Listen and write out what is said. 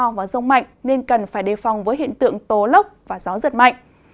nếu có nơi mưa to và rông mạnh nên cần phải đề phòng với hiện tượng tố lốc và gió giật mạnh